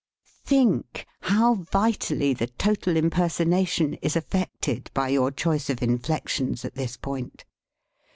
' Think how vitally the total impersonation is affected by your choice of inflections at this point.